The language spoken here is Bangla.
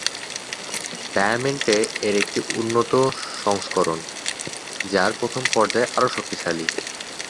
ডায়ামান্ট এ এর একটি উন্নত সংস্করণ, যার প্রথম পর্যায় আরো শক্তিশালী।